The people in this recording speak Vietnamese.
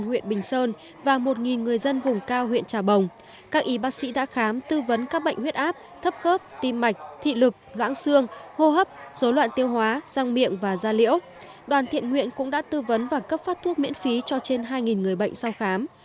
huyện bình sơn và một người dân vùng cao huyện trà bồng các y bác sĩ đã khám tư vấn các bệnh huyết áp thấp khớp tim mạch thị lực loãng xương hô hấp dối loạn tiêu hóa răng miệng và da liễu đoàn thiện nguyện cũng đã tư vấn và cấp phát thuốc miễn phí cho trên hai người bệnh sau khám